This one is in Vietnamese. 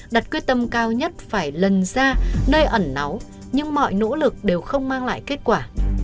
đặt quyết tâm cao nhất phải lần ra nơi ẩn náu nhưng mọi nỗ lực đều không mang lại kết quả